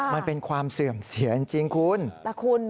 มันเป็นความเสื่อมเสียจริงคุณ